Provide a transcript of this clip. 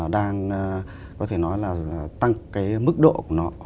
đang có thể nói là tăng cái mức độ của nó